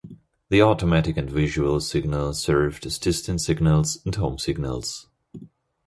The automatic and visual signal served as distant signals and home signals.